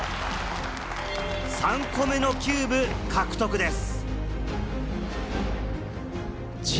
３個目のキューブ獲得です。